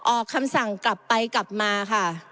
ออกคำสั่งกลับไปกลับมาค่ะ